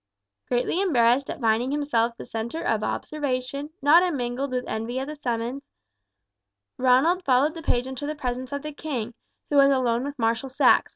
Greatly embarrassed at finding himself the centre of observation not unmingled with envy at the summons, Ronald followed the page into the presence of the king, who was alone with Marshal Saxe.